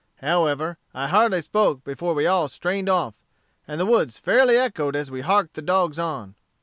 However, I hardly spoke before we all strained off; and the woods fairly echoed as we harked the dogs on.